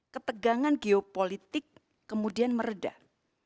ketegangan geopolitik kemudian meredah